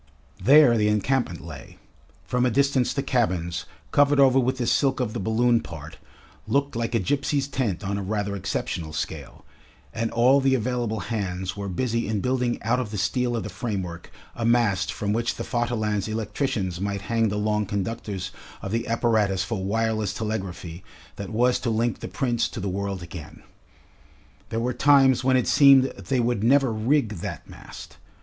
There the encampment lay; from a distance the cabins, covered over with the silk of the balloon part, looked like a gipsy's tent on a rather exceptional scale, and all the available hands were busy in building out of the steel of the framework a mast from which the Vaterland's electricians might hang the long conductors of the apparatus for wireless telegraphy that was to link the Prince to the world again. There were times when it seemed they would never rig that mast.